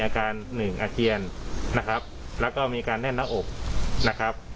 หนึ่งอาเจียนนะครับแล้วก็มีการแน่นหน้าอกนะครับ